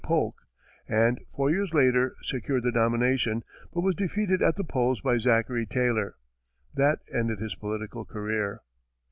Polk; and four years later, secured the nomination, but was defeated at the polls by Zachary Taylor. That ended his political career.